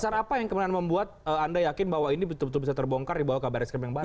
cara apa yang kemudian membuat anda yakin bahwa ini betul betul bisa terbongkar di bawah kabar reskrim yang baru